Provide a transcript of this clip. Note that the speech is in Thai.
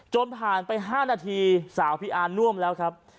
ผ่านไป๕นาทีสาวพี่อาร์น่วมแล้วครับ